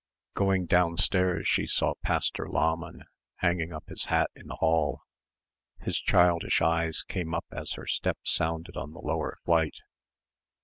Going downstairs she saw Pastor Lahmann hanging up his hat in the hall. His childish eyes came up as her step sounded on the lower flight.